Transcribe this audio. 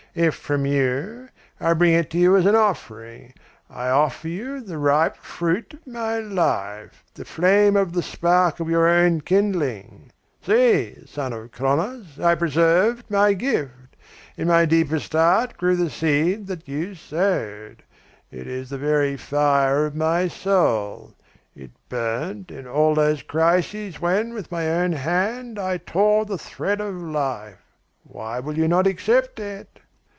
If from you, I bring it to you as an offering. I offer you the ripe fruit of my life, the flame of the spark of your own kindling! See, son of Cronos, I preserved my gift; in my deepest heart grew the seed that you sowed. It is the very fire of my soul. It burned in those crises when with my own hand I tore the thread of life. Why will you not accept it?